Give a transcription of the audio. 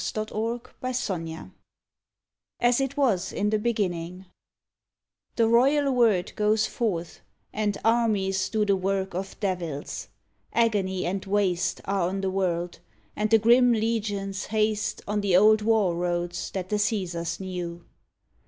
136 ON THE GREAT WAR "AS IT WAS IN THE BEGINNING" The royal word goes forth, and armies do The work of devils. Agony and waste Are on the world, and the grim legions haste On the old war roads that the Caesars knew.